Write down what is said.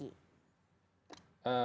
ini dalam konteks tanggap darurat ya